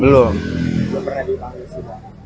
belum pernah di sidang